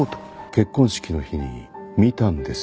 結婚式の日に見たんですよ。